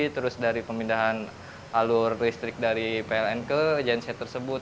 terus dari pemindahan alur listrik dari pln ke genset tersebut